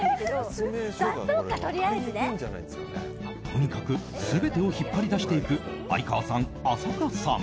とにかく全てを引っ張り出していく相川さん、浅香さん。